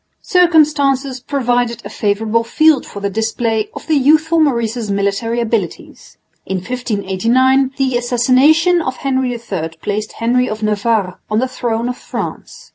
Circumstances provided a favourable field for the display of the youthful Maurice's military abilities. In 1589 the assassination of Henry III placed Henry of Navarre on the throne of France.